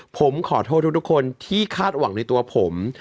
ผมขอโทษทุกคนที่คาดหวังในตัวผม